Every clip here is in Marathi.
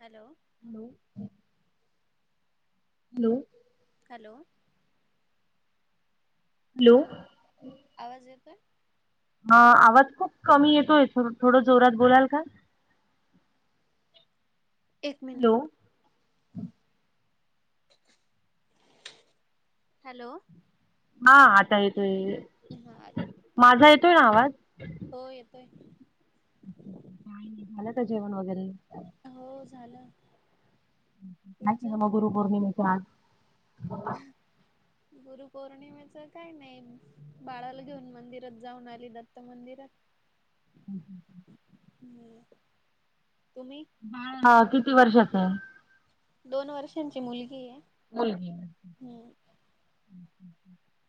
हॅलो. [inaudible] हॅलो. हॅलो. हॅलो. आवाज येतोय? हा आवाज खूप कमी येतोय थोड जोरात बोलाल का. एक हॅलो. मिनिट. हॅलो. हा आता येतोय. हा माझा येतोय ना आवाज? हो येतोय. पाय नाही, झालं का जेवण वगैरे? हो झालं. काय ना तुमचं? म गुरु पौर्णिमेचा? गुरु पौर्णिमेच काय नाही. बाळाला घेऊन मंदिरात जाऊन आली दत्त मंदिरात. हां. [inaudible] हम्, तुम्ही? हा किती वर्षाच आहे? दोन वर्षांची मुलगी आहे. मुलगी. हम्. [inaudible]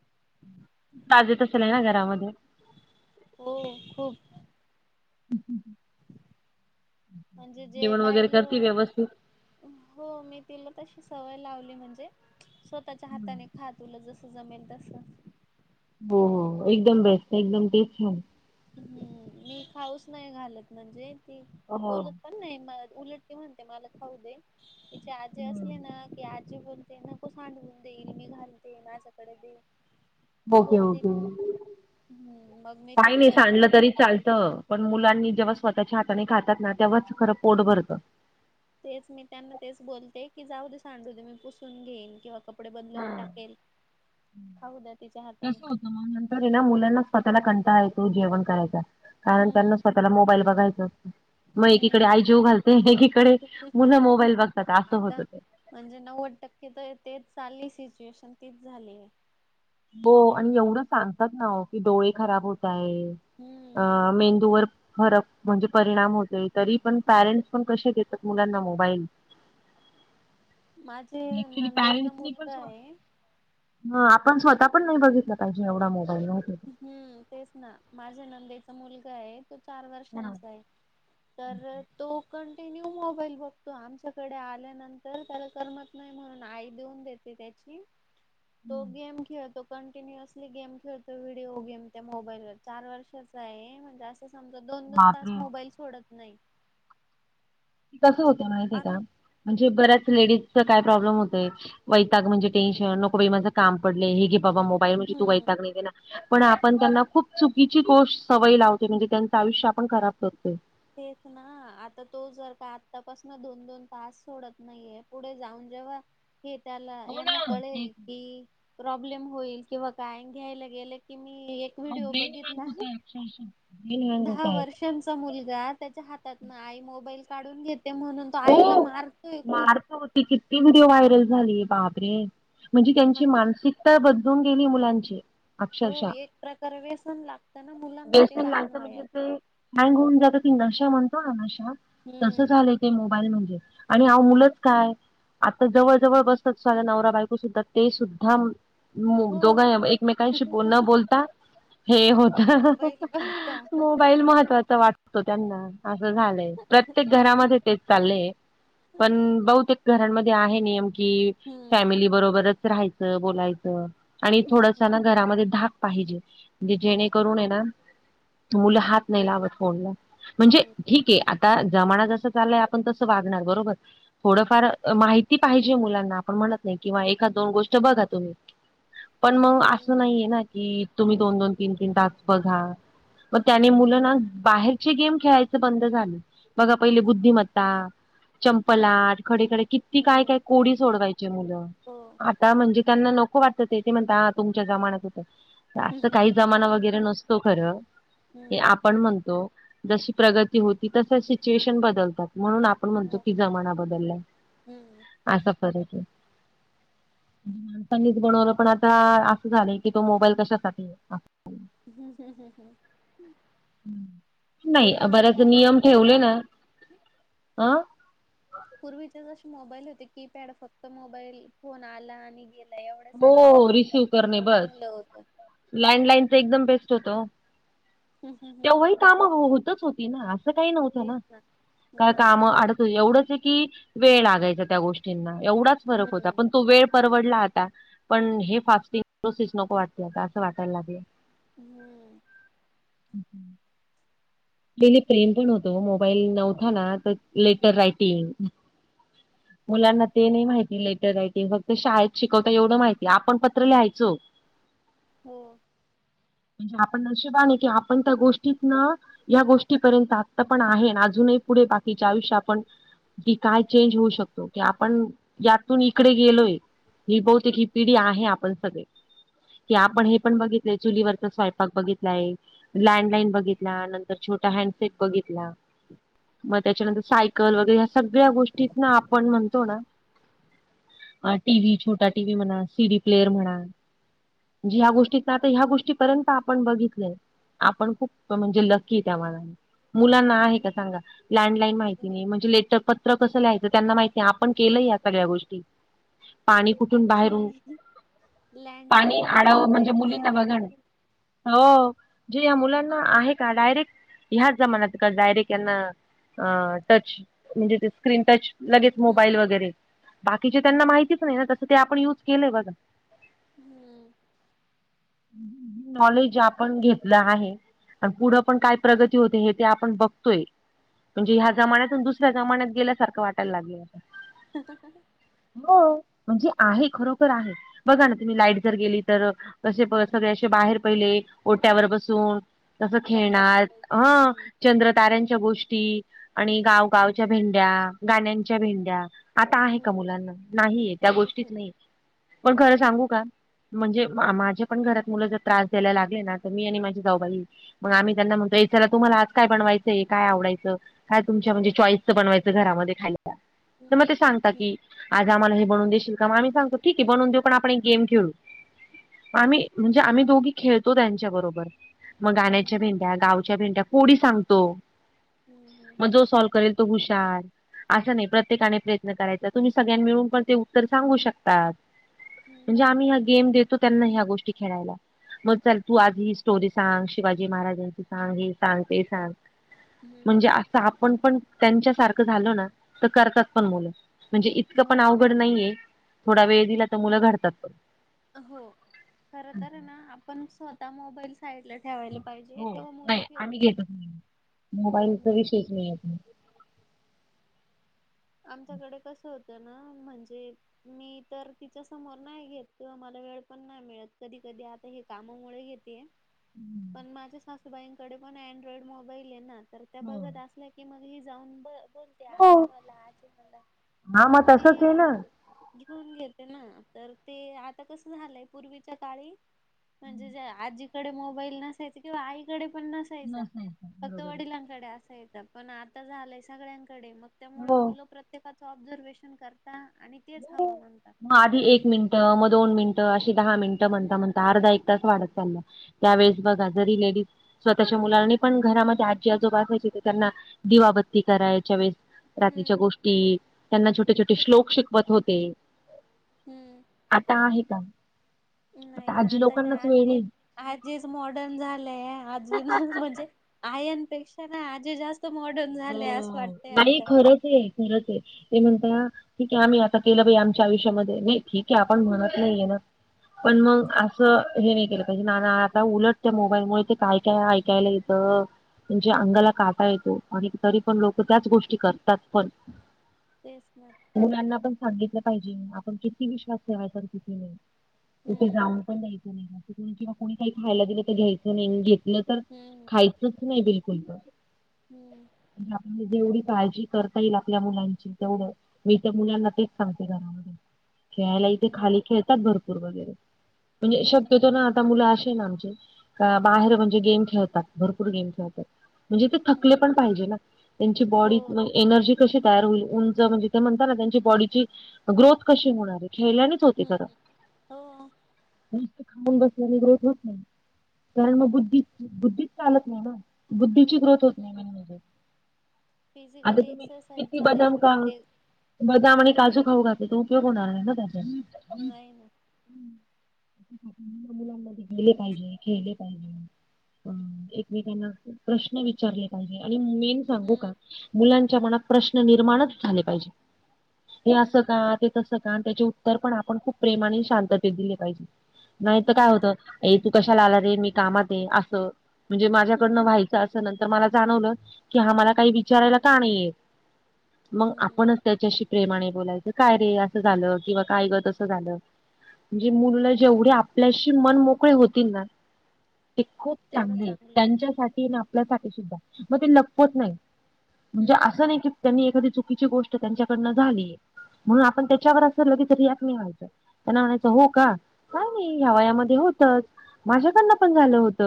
[inaudible] ताजेत असेल आहे ना घरामध्ये? [inaudible] हो खूप. हम् ह. म्हणजे जे वगैरे करते पाहिलं व्यवस्थित? हो मी तिला तशी सवय लावली म्हणजे स्वतःच्या हम्म. हाताने खात तुला जसं जमेल तस. हो हो एकदम बेस्ट एकदम तेच छान. हम्म मी खाऊस नाही घालत म्हणजे ती हो. बोलत पण नाही ना उलटते म्हणते मला खाऊ दे, तिची आजी हम्म. असली ना की आ जी बोलते नको सांडवून दे हिला मी घालते माझ्याकडे दे. मी ओके बोलते, ओके हम्म मग मी. काय नाही तिला सांडलं तरी चालतं. पण मुलांनी जेव्हा स्वतःच्या हाताने खातात ना तेव्हाच खरं पोट भरतं. तेच. मी त्यांना तेच बोलते, की जाऊ दे सांडू दे. मी पुसून घेईन किंवा क कपडे बदलवून टाकेल खाऊ द्या तिच्या हाताने. कसं होतं नंतर ना मुलांना स्वतःला कंटाळा येतो जेवण करायचा. कारण हम्म त्यांना स्वतला मोबाईल बघायचा अस म एकीकडे हम्म आई जेवू घालते, एकीकडे मुलं मोबाईल बघतात. असं होत आता ते. म्हणजे नव्वद टक्के तर तेच चालली, सिच्युएशन तीच झालिये. हो आणि एवढं सांगतात ना ओ की डोळे खराब होताये, अ हम्म मेंदूवर फरक म्हणजे परिणाम होतोय. तरी पण पॅरेंट्स पण कसे देतात मुलांना मोबाईल? [inaudible] माझे ऍक्च्युली नंदेचा पॅरेंट्सनी पण मुलगा आहे, ह आपण स्वतः पण नाही बघितलं पाहिजे एवढा मोबाईल ना ओ ताई. हं तेच ना. माझ्या नंदेचा मुलगा आहे, तो चार हा. वर्षांचा आहे. तर तो कंटिन्यू मोबाईल बघतो. आमच्याकडे आल्यानंतर त्याला करमत नाही. म्हणून आई देऊन देते त्याची. [inaudible] तो गेम खेळतो, कंटिन्युअसली गेम खेळतो. व्हिडिओ गेम त्या मोबाईलवर. चार वर्षाचा आहे म्हणजे अस समजा दोन दोन तास बापरे मोबाईल सोडत नाही. कसं होते माहितीे का? आणि म्हणजे बऱ्याच लेडीजचा काय प्रॉब्लेम होतय? वैताग म्हणजे टेन्शन, नको बाई माझं काम पडलये. हे घे बाबा मोबाईल, म्हणजे तू हम्म वैताग नाही देणार. पण आपण त्यांना खूप चुकीची गोष्ट सवयी लावतोय. म्हणजे त्यांचं आयुष्य आपण खराब करतोय. तेच ना. आता तो जर का आत्तापासन दोन दोन तास सोडत नाहीये, पुढे जाऊन जेव्हा हे त्याला हो यांना ना तेच कळेल कि, प्रॉब्लेम होईल किंवा काय. अन घ्यायला गेलं की मी एक व्हिडिओ बघितला हं हं. दहा वर्षांचा मुलगा त्याच्या हातातन आई मोबाईल काढून घेते म्हणून, तो आईला हो मारतोय खूप. मारत होती किती व्हिडिओ व्हायरल झालीये. बापरे! म्हणजे त्यांची मानसिक ता बदलून गेलीये मुलांची. हो. अक्षरशः एक प्रकार व्यसन लागत ना मुलांना ते व्यसन लहान लागतं म्हणजे वयात. ते हँग होऊन जाता ती. नशा म्हणतो ना नशा तस हम्म झालय ते मोबाईल म्हणजे. आणि अहो मुलंच काय? आता जवळ जवळ बसतात सगळ्या नवरा बायको सुद्धा ते सुद्धा म हो दोघां एकमेकांशी बो न बोलता हे होत. मोबाईल बघता मोबाईल महत्त्वाच वाटत तो त्यांना. अस झालय. प्रतेक घरामध्ये तेच चाललय. पण बहुतेक घरांमध्ये आहे नियम कि, हम्म फॅमिली बरोबरच राहायचं, बोलायचं. आणि हम्म थोडसा ना घरामध्ये धाक पाहिजे. म्हणजे हो जेणेकरूने ना मुलं हात नाही लावत फोनला. म्हणजे हम्म ठीके आता जमाना जस चाललाय आपण तसं वागणार. बरोबर? थोडंफार माहिती पाहिजे मुलांना पण. आपण म्हणत नाही, किंवा एखा दोन गोष्ट बघा तुम्ही. पण मग असं हम्म नाहीये ना की तुम्ही दोन दोन तीन तीन तास बघा. म त्याने मुल ना, बाहेरचे गेम खेळायचे बंद झाले. बघा पहिले बुद्धी ता, चंपला, खडे खडे, किती काय काय? कोडी सोडवायचे मुलं. आता म्हणजे त्यांना नको वाटतं ते. ते म्हणत हा तुमच्या जमानात होत. असं काही जमाना वगैरे नसतो खरं हे आपण म्हणतो. जशी प्रगती होती तस सिच्युएशन बदल. म्हणून आपण म्हणतो कि जमाना बदललाय असा फरक आहे. माणसांनीच बनवलं पण आता असं झालं की तो मोबाईल कशासाठी? ह् ह ह ह. नाही बर्याच नियम मोबाईल ते ठेवले ना अं. पूर्वीचे जसे मोबाईल होते कीपॅड फक्त मोबाईल फोन आला आणि गेला. म एवढ्यासाठी हो ते रिसिव्ह करणे बस चांगलं होतं. लँडलाईनच एकदम बेस्ट होत हो. तेव्हाही कामं होतच होती ना? आस काही नव्हतं ना. काय हम्म काम अडत एवढंच आहे की, वेळ लागायचा त्या गोष्टी ष्टीना एवढाच फरक होता हम्म पण तो वेळ परवडला आता पण हे फास्टिग प्रोसेस नको वाटते आता असं वाटायला लागलय. हम्म [inaudible] पहिले प्रेम पण होत ओ मोबाईल नव्हता ना तर लेटर रायटिंग मुलांना ते नाही माहिती लेटर रायटिंग फक्त शाळेत शिकवता एवढं माहितीय. आपण पत्र लिहायचो. हो म्हणजे आपण नशीबवान आहे की आपण त्या गोष्टीतनं या गोष्टीपर्यंत आत्ता पण आहे अजूनही पुढे बाकीचे आयुष्य आपण की काय चेंज होऊ शकतो की आपण यातून इकडे गेलोय. ही बहुतेक ही पिढी आहे आपण सगळे. कि आपण हे पण बघितलंय चुलीवरचा स्वयंपाक बघितलाय, लँडलाईन बघितला, नंतर छोटा हॅण्ड सेट बघितला, मग त्याच्यानंतर साय कल वगैरे ह्या सगळ्या गोष्टीतन आपण म्हणतो ना, अं टीव्ही छोटा टीव्ही म्हणा, सीडी प्लेयर म्हणा, म्हणजे ह्या गोष्टी का आता ह्या गोष्टीपर्यंत आपण बघितलंय. आपण खूप म्हणजे लक की आहे त्यामानाने मुलांना आहे का सांगा लॅण्डलाईन माहिती नाही म्हणजे लेटर पत त्र कसं लिहायचं त्यांना माहिती नाही, आपण केलं या सगळ्या गोष्टी. पाणी कुठून बाहेरून, ऍक्च्युली पाणी लँडलाईन मी आडाव पण म्हंजे नाही मुलींना पाहिलंय बघा ना, बर हो जे या मुलांना आहे का डायरेक्ट, ह्याच जमान्यात का डायरेक्ट यांना अं टच म्हणजे ते स्क्रीन टच, लगेच हम्म मोबाईल वगैरे बाकीचे त्यांना माहितीच नाही ना तसं ते आपण युज केलंय बघा. हम्म, नॉलेज आपण घेतलं आहे आणि पुढं पण काय प्रगती होते हे ते आपण बघतोय म्हणजे हो ह्या ना जमान्यातून दुस ऱ्या जमान्यात गेल्यासारखं वाटायला लागले आता. ह ह ह ह हो म्हणजे आहे, खरोखर आहे. बघा ना तुम्ही लाईट जर गेली तर कसे सगळे असे बाहेर पहिले ओट्यावर बसून तस गप्पा खेळणार मारायच अ.. हम्म चंद्र, ताऱ्यांच्या गोष्टी आणि गाव गावच्या भेंड्या, गाण्यांच्या भेंड्या, आता आहे का हम्म मुलांना नाहीये त्या गोष्टीच हम्म नाहीत पण खरं सांगू का? म्हणजे माझे पण घरात मुलं जर त्रास द्यायला लागले ना तर मी आणि माझी जाऊबाई, मग आम्ही त्यांना म्हणतो ए चला तुम्हाला आज काय बनवायचंय? काय आवडायचं? काय तुमच्या हम्म म्हणजे चॉईसचं बनवायचं घरामध्ये खायला? हम्म तर मग ते सांगता हम्म की, आज आम्हाला हे बवून देशील का? मग आम्ही सांगतो ठीक आहे, बनवून देऊ पण आपण एक गेम खेळू. मग आम्ही हम्म म्हणजे आम्ही दोघी खेळतो त्यांच्या बरोबर मग गाण्याच्या हम्म भेंड्या, गाव घ्या भेंड्या, कोडी सांगतो हम्म मग जो सॉल्व करेल तो हुशार. असं नाही प्रत्येकाने प्रयत्न करायचा. तुम्ही सगळ्यांनी मिळून पण ते उत्तर सांगू शकतात. म्हणजे आम्ही ह्या गेम देतो त्यांना ह्या गोष्टी खेळायला, मग चल तू आज ही स्टोरी सांग शिवाजी महाराजांची सांग, हे सांग, ते सांग हम्म म्हणजे हम्म आ आपण पण त्यांच्या सारखं झालो ना, तर करतात पण मुलं. म्हणजे इतकं हो पण ना अवघड नाहीये, थोडा वेळ दिला तर मुलं घडतात पण. हो खर तर ना, आपण स्वतः मोबाईल साईड ला ठेवायला पाहिजे, हो तेव्हा मुलं नाही आम्ही ठेवतील. घेतो मोबाईलचा विषयच नाही आपण [unintelligible] आमच्याकडे कसं होत ना म्हणजे मी तर तिच्या समोर नाही घेत किंवा मला वेळ पण नाही मिळत. कधी कधी आ हे कामामुळे घेतीय. पण माझ्या सासूबाईंकडे पण अड्रॉइड मोबाईल आहे ना, तर त्या हो बघत अस- - ल्या की मग ही जाऊन ब बोलते आजी हो मग आज्जी ला हा मग तसच ती आहे - ना - घेऊन घेते ना, तर ते आता कसं झालंय, पूर्वीच्या काळी म्हणजे आजीकडे मोबाईल नसायच किंवा आईकडे पण नसा यचा नसायचं फक्त बरोबर वडिलांना कडे असायच, पण आता झालंय सगळ्या कडे आहे मग त्यामुळे हो मुलं प्रत्येकाचं ऑब्झर्वेशन करता आणि तेच हव मनता. मग आधी एक मिनिटं मग दोन मिनिटं अशी दहा मिनिटं म्हणता हम्म म्हणता अर्धा, एक तास वाढत चाललाय. त्यावेेळेस बघा, जरी लेडीज स्वतःच्या मुलांनी पण घरामध्ये आजी आजोबा असायची, तर त्यांना दिवाबत्ती करायच्या वेळेस रात्रीच्या हम्म गोष्टी, त्यांना छोटे छोटे श्लोक शिकवत होते. हम्म. आता आहे का? नाही आता आजी आताच्या लोकांनाच वेळ आजी नाही आजीच मॉडर्न झालंय, आजी म्हणजे आयांपेक्षा ना आजी जास्त मॉडर्न झाले असं वाटतय आता. रोज हे खरच, ते म्हणता ठीक आहे आम्ही आता केलं बाई आमच्या आयुष्यामध्ये [unintelligible] की आपण हम्म. म्हणत नाहीय ना पण मग असं हे नाही केलं पाहिजे ना, ना आता उलट त्या मोबाईल मुळे काय काय ऐकायला येतं म्हणजे अंगाला काटा येतो आणि तरी पण लोक त्याच गोष्टी करतात पण. तेच ना. मुलांना पण सांगितलं पाहिजे. आपण किती विश्वास ठेवायचा? अन् किती नाही? तिथे हम्म जाऊन पण द्यायचं नाही किंवा कोणी काही खायला दिलं तर घ्यायचं नाहीे अन् घे तल तर हम्म खायचंच नाही बिलकुल तर हम्म. म्हणजे आपल्या जेवढी काळजी करता येईल आपल्या मुलांची, तेवढं मी तर मुलांना तेच सांगते घरामध्ये खेळायला इथे खाली हो. खेळतात भरपूर वगैरे म्हणजे हम्म शब्य ना आता मुलं अशे ना आमचे का बाहेर म्हणजे गेम खेळतात, भरपूर गेम खेळतात. म्हणजे ते हम्म थकले पण पाहिजे ना. त्यांची हो बॉडी एनर्जी कशी तयार होईल. उंच म्हणजे ते म्हणताना त्यांची बॉडीची ग्रोथ कशी होणारये. खेळल्याने च होते हम्म खर. हो मस्त खाऊन बसल्याने ग्रोथ होत नाही. कारण मग बुद्धी बुद्धीच चालत नाही ना. बुद्धीची ग्रोथ होत नाही हम्म, मेन म्हणजे आता फिजिकली तुम्ही एक्ससिस किती बदाम झाल्याशिवाय का ते बदाम आणि काजू खाऊ घातले तर उपयोग होणार नाही ना त्याचा. नाही ना. मुलांमध्ये गेले पाहिजे. खेळले पाहिजे. हम्म एकमेकांना प्रश्न विचारले पाहीजे. आणि मेन सांगू हम्म का, मुलांच्या मनात प्रश्न निर्माणच झाले पाहिजे. हे अस हम्म. का. ते तस का. आणि त्याचे उत्तर पण हम्म आपण खूप प्रेमाने शांततेत दिले पाहिजे. नाही तर हो काय होत. ये तू कशाला आला रे मी कामात आहे अस. म्हणजे माझ्याकडन व्हायच अस. नंतर मला जाणवल की हा मला काही विचारायला का नाही येत. मग आपणच हम्म त्याच्याशी प्रेमाने बोलायच. काय रे अस झाल. किंवा काय ग अस झाल. म्हणजे मुल जेवढे आपल्याशी मन मोकळे होतील ना ते खूप तेवढं चांगली आहे. चांगलं त्यांच्यासाठी आणि आपल्यासाठी सुद्धा. मग ते लपवत नाही. म्हणजे अस हम्म. नाही कि त्यांनी एखादी चुकीची गोष्ट त्यांच्याकडन झाली. म्हणून आपण त्याच्यावर अस लगेच रिॲक्ट नाही व्हायच. त्यांना म्हणायच हो का. काय नाही या वयामध्ये होतच माझ्याकडन पण झाल होत.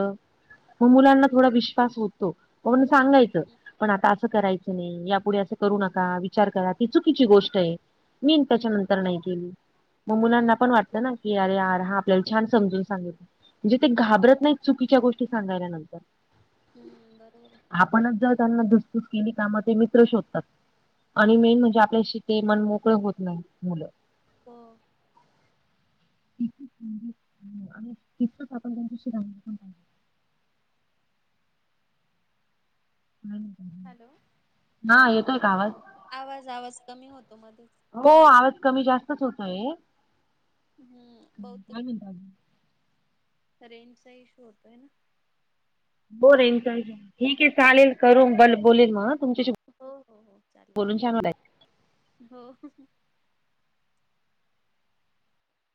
मग मुलांना हम्म थोडा विश्वास होतो. म्हणून सांगायच. पण आता अस करायच नाही. यापुढे अस करू नका. विचार करा. ती चुकीची गोष्ट आहे. मी हम्म त्याच्यानंतर नाही गेली. मग मुलांना हम्म पण वाटत ना कि अरे यार, हा आपल्याला छान समजून सांगितल. म्हणजे ते घाबरत नाहीत चुकीच्या गोष्टी सांगायला नंतर. हम्म, बरोबर आहे. आपणच जर त्यांना धुस पुस केली का, मग ते मित्र शोधतात. आणि मेन म्हणजे आपल्याशी ते मन मोकळे होत नाही मुल. हो [unintelligible] [unintelligible] हॅलो हा येतोय का आवाज? आवाज आवाज कमी होतो मध्येच. हो आवाज कमी जास्तच होतोय. हम्म बहुतेक काय म्हणतात आजून. रेंजचा इशू होतोय ना. ठीक आहे चालेल करू. ब बोलेल मग ह. हो हो हो चालेल वाटलं. हो.